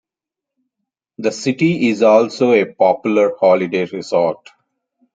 The city is also a popular holiday resort.